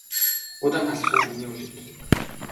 Удаан алхахлаар миний хөл өвддөг.